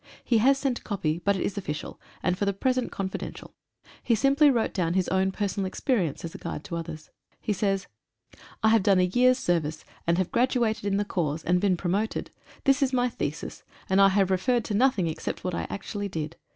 He has sent a copy, but it is official, and for the present confi dential. He simply wrote down his own personal expe rience as a guide to others.) He says: — I have done a year's service, and have graduated in the corps, and been promoted. This is my thesis, and I have referred to nothing except what I actually did.